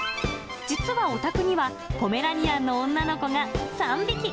実はお宅には、ポメラニアンの女の子が３匹。